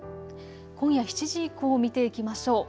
今夜７時以降を見ていきましょう。